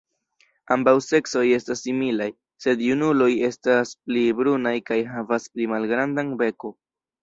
Ambaŭ seksoj estas similaj, sed junuloj estas pli brunaj kaj havas pli malgrandan beko.